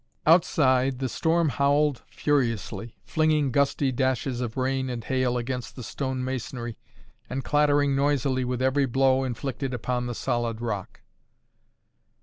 Outside, the storm howled furiously, flinging gusty dashes of rain and hail against the stone masonry and clattering noisily with every blow inflicted upon the solid rock.